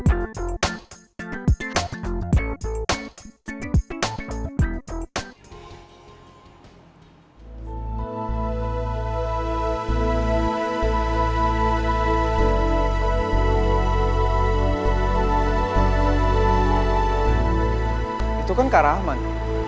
itu kan kak rahman